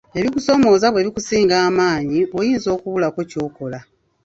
Ebisoomooza bwe bikusinga amaanyi oyinza okubulako ky'okola.